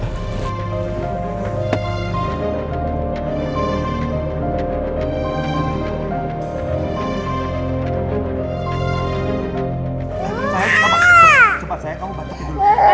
cepat sayang kamu bantuin dulu